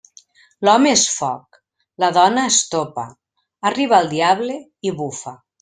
L'home és foc, la dona, estopa, arriba el diable i bufa.